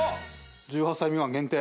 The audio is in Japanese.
１８歳未満限定？